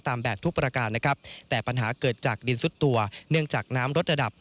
แต่ปัญหาเกิดจากดินสุดตัวเนื่องจากน้ำลดระดับ